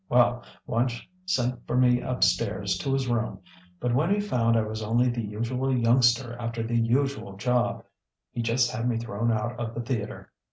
Well, Wunch sent for me up stairs to his room, but when he found I was only the usual youngster after the usual job he just had me thrown out of the theatre.